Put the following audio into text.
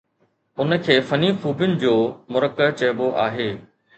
ان کي فني خوبين جو مرقع چئبو آهي